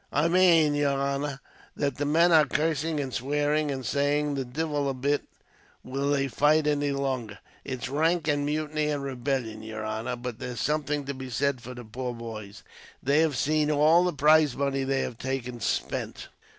"I mane, yer honor, that the men are cursing and swearing, and saying the divil a bit will they fight any longer. It's rank mutiny and rebellion, yer honor; but there's something to be said for the poor boys. They have seen all the prize money they have taken spent.